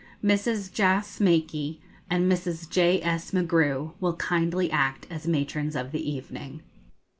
_Mrs. Jas. Makee and Mrs. J.S. McGrew will kindly act as matrons of the evening.